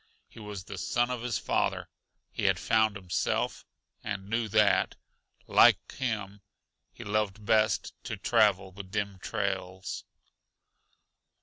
He was the son of his father; he had found himself, and knew that, like him, he loved best to travel the dim trails.